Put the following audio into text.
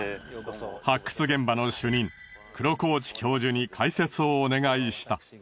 発掘現場の主任黒河内教授に解説をお願いした。